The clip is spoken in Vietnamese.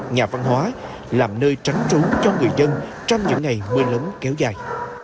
nhà văn hóa làm nơi tránh trú cho người dân trong những ngày mưa lớn kéo dài